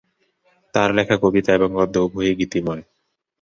তার লেখা কবিতা এবং গদ্য উভয়ই গীতিময়।